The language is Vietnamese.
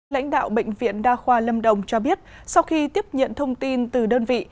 lãnh đạo bệnh viện đa khoa lâm đồng cho biết sau khi tiếp nhận thông tin từ đơn vị